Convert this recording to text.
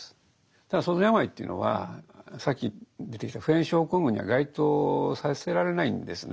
ただ創造の病いというのはさっき出てきた普遍症候群には該当させられないんですね。